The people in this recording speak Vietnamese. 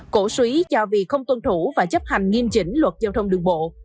cổ suý do việc không tuân thủ và chấp hành nghiêm chỉnh luật giao thông đường bộ